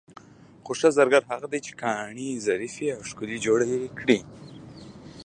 خو ښه زرګر هغه دی چې ګاڼې ظریفې او ښکلې جوړې کړي.